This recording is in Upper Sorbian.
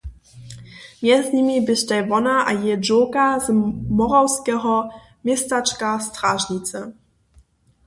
Mjez nimi běštej wona a jeje dźowka z morawskeho městačka Strážnice.